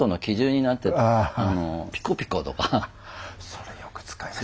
それよく使います。